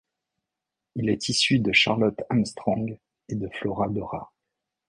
Il est issu de 'Charlotte Armstrong' et de 'Floradora'.